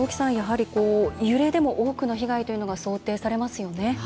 揺れでも大きな被害というのが想定されますよね。